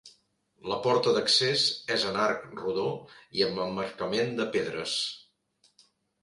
La porta d'accés és en arc rodó i amb emmarcament de pedres.